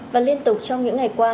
và liên tục trong những ngày qua